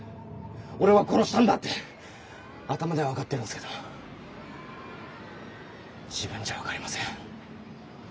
「俺は殺したんだ！」って頭では分かってるんですけど自分じゃ分かりません。